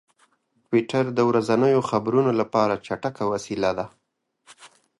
ټویټر د ورځنیو خبرونو لپاره چټک وسیله ده.